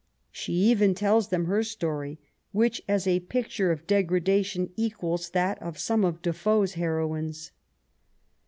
She even tells them her story, which, as a picture of degradation, equals that of some of Defoe's heroines.